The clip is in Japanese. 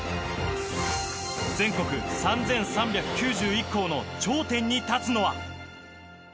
全国３３９１校の頂点に立つのは？